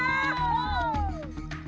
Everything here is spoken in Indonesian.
dari diri tadi nih guys